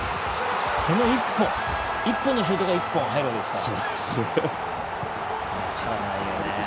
１本のシュートが入るわけですから。